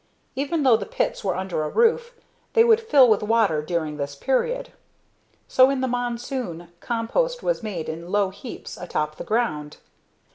Even though the pits were under a roof, they would fill with water during this period. So in the monsoon, compost was made in low heaps atop the ground.